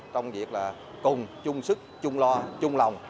trong việc là cùng chung sức chung lo chung lòng